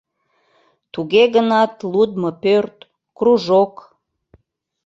Туге гынат лудмо пӧрт, кружок...